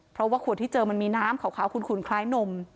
เพราะว่าขวดที่เจอมันมีน้ำขาวขุนคล้ายนม